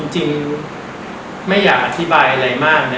จริงไม่อยากอธิบายอะไรมากนะ